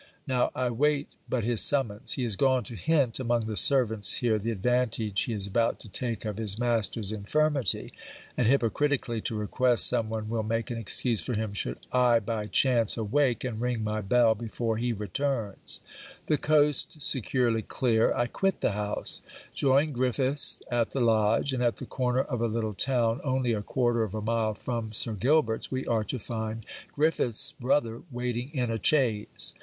Now, I wait but his summons. He is gone to hint among the servants here the advantage he is about to take of his master's infirmity, and hypocritically to request some one will make an excuse for him should I by chance awake and ring my bell before he returns. The coast securely clear, I quit the house; join Griffiths at the lodge; and, at the corner of a little town, only a quarter of a mile from Sir Gilbert's, we are to find Griffiths' brother waiting in a chaise.